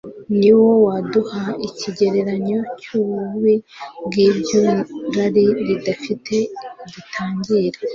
ni wo waduha ikigereranyo cy'ububi bw'iryo rari ridafite gitangira